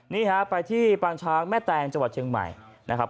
นี่ฮะไปที่ปางช้างแม่แตงจังหวัดเชียงใหม่นะครับ